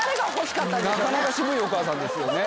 なかなか渋いお母さんですよね。